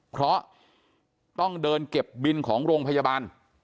เพราะต้องเดินเก็บบินของโรงพยาบาล